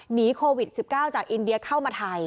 หนีโควิด๑๙จากอินเดียเข้ามาไทย